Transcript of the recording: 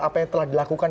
apa yang telah dilakukan